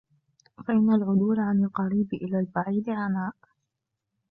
فَإِنَّ الْعُدُولَ عَنْ الْقَرِيبِ إلَى الْبَعِيدِ عَنَاءٌ